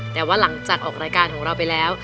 แต่ว่าหลังจากออกรายการของเราไปแล้ว